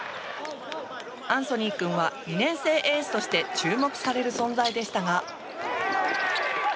アンソニー君は２年生エースとして注目される存在でしたが。